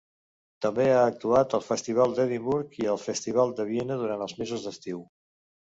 També ha actuat al Festival d'Edimburg i al Festival de Viena durant els mesos d'estiu.